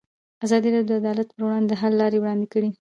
ازادي راډیو د عدالت پر وړاندې د حل لارې وړاندې کړي.